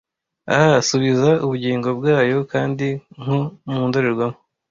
ah subiza ubugingo bwayo kandi nko mu ndorerwamo